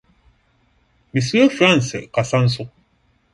Misua Franse kasa nso.